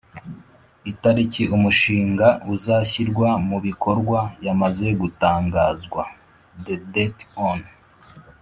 itariki umushinga uzashyirwa mu bikorwa yamaze gutangazwa the date on